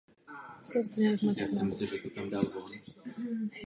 Kvůli malému využití bylo ale linkové vedení přibližně po roce vráceno do původního stavu.